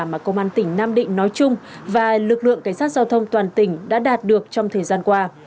mà công an tỉnh nam định nói chung và lực lượng cảnh sát giao thông toàn tỉnh đã đạt được trong thời gian qua